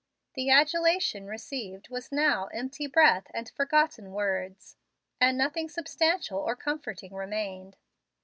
The adulation received was now empty breath and forgotten words, and nothing substantial or comforting remained.